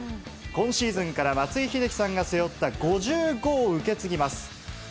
今シーズンから松井秀喜さんが背負った５５を受け継ぎます。